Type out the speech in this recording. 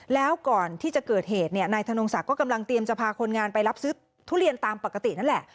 แล้วก่อนที่จะเกิดเหตุเนี่ยนายธนงศักดิ์ก็กำลังเตรียมจะพาคนงานไปรับซื้อทุเรียนตามปกตินั่นแหละ